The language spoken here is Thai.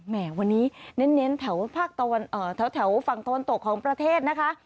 แห่วันนี้เน้นแถวฝั่งตะวันตกของประเทศนะคะ